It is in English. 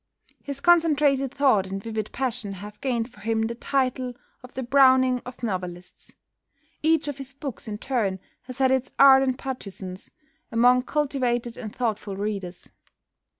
His concentrated thought and vivid passion have gained for him the title of the "Browning of novelists." Each of his books in turn has had its ardent partisans among cultivated and thoughtful readers.